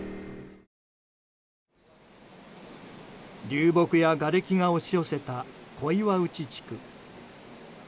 流木やがれきが押し寄せた小岩内地区。